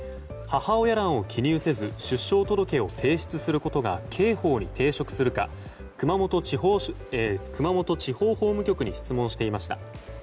母親欄を記入せず出生届を提出することが刑法に抵触するか熊本地方法務局に質問していました。